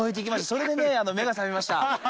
それでね、目が覚めました。